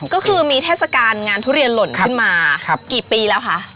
ก็คือมีเทศกาลงานทุเรียนหล่นขึ้นมากี่ปีแล้วคะ